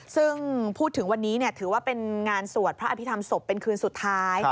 ซึ่งพูดถึงวันนี้ถือว่าเป็นงานสวดพระอภิษฐรรมศพเป็นคืนสุดท้าย